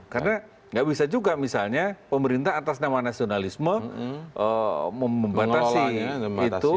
karena nggak bisa juga misalnya pemerintah atas nama nasionalisme membatasi itu